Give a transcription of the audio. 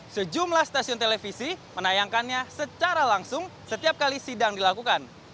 sejumlah stasiun televisi menayangkannya secara langsung setiap kali sidang dilakukan